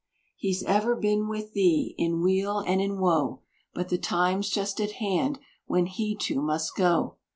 He's ever been with thee in weal and in woe, But the time's just at hand when he too must go.